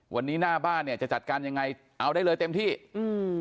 วันนี้หน้าบ้านเนี้ยจะจัดการยังไงเอาได้เลยเต็มที่อืม